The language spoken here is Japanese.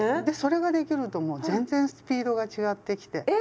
でそれができるともう全然スピードが違ってきて。